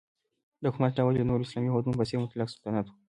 د حکومت ډول یې د نورو اسلامي هیوادونو په څېر مطلقه سلطنت و.